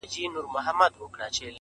د کرونا ویري نړۍ اخیستې!